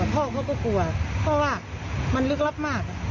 พ่อเขาก็กลัวเพราะว่ามันลึกลับมาก